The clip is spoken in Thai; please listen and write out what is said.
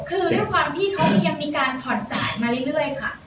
คือด้วยความที่เขายังมีการผ่อนจ่ายมาเรื่อยค่ะ